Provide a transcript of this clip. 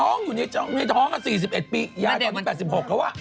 ท้องอยู่ในท้อง๔๑ปียาตอน๘๖เขาว่า